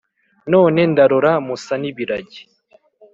None ndarora musa n'ibiragi